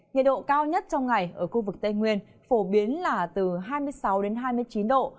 nhiệt độ cao nhất trong ngày ở khu vực tây nguyên phổ biến là từ hai mươi sáu hai mươi chín độ